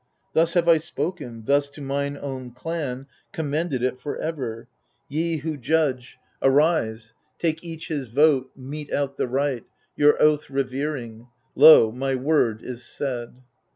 Thus have I spoken, thus to mine own clan Commended it for ever. Ye who judge, ^ See Appendix. i68 THE FURIES Arise, take each his vote, mete out the right, Your oath revering. Lo, my word is said.